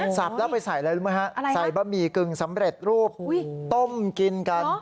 สับแล้วไปใส่อะไรรู้ไหมฮะใส่บะหมี่กึ่งสำเร็จรูปต้มกินกัน